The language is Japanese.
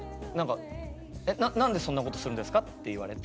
「えっ何でそんなことするんですか」って言われて。